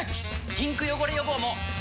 ピンク汚れ予防も！